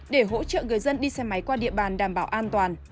để hỗ trợ người dân đi xe máy qua địa bàn đảm bảo an toàn